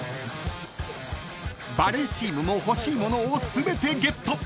［バレーチームも欲しい物を全てゲット］